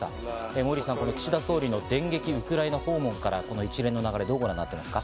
モーリーさん、岸田総理の電撃ウクライナ訪問から一連の流れ、どうご覧になっていますか？